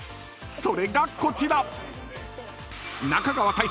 ［それがこちら］